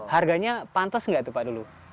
harganya pantes nggak itu pak dulu